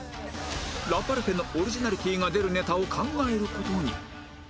ラパルフェのオリジナリティーが出るネタを考える事に